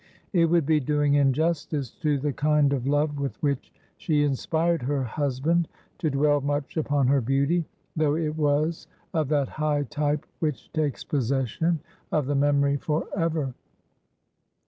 It would be doing injustice to the kind of love with which she inspired her husband to dwell much upon her beauty, though it was of that high type which takes possession of the memory for ever.